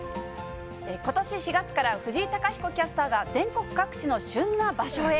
ことし４月から、藤井貴彦キャスターが、全国各地の旬な場所へ。